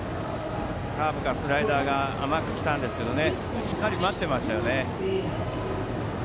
カーブかスライダーが甘く来たんですけどしっかり待っていましたよね。